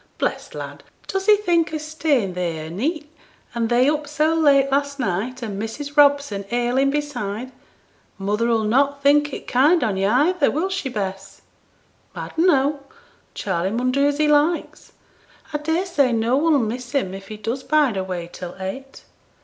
bless t' lad, does he think o' staying theere a' neet, and they up so late last night, and Mrs. Robson ailing beside? Mother 'll not think it kind on yo' either, will she, Bess?' 'I dunno. Charley mun do as he likes; I daresay no one'll miss him if he does bide away till eight.'